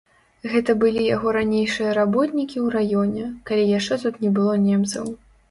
Гэта былі яго ранейшыя работнікі ў раёне, калі яшчэ тут не было немцаў.